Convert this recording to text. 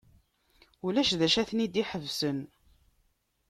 Ulac d acu ara ten-id-iḥebsen.